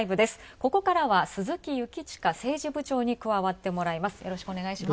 ここからは鈴木亨知政治部長に加わってもらいます。